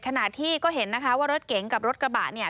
ขณะที่ก็เห็นนะคะว่ารถเก๋งกับรถกระบะเนี่ย